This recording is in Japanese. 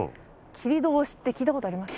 切通しって聞いたことありますか？